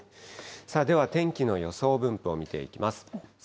さあ、では天気の予想分布を見ていきます。